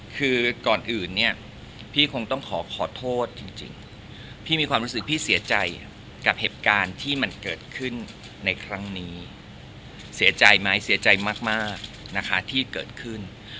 คือก่อนอื่นเนี่ยพี่คงต้องขอขอโทษจริงพี่มีความรู้สึกพี่เสียใจกับเหตุการณ์ที่มันเกิดขึ้นในครั้งนี้เสียใจไหมเสียใจมากนะคะที่เกิดขึ้น